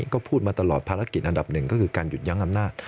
ก็พูดมาตลอดภารกิจอันดับหนึ่งก็คือการหยุดยั้งอำนาจ